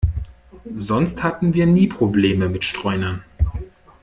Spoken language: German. Sonst hatten wir nie Probleme mit Streunern.